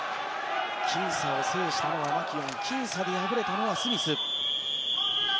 きん差を制したのはマキュオンきん差で敗れたのはスミス。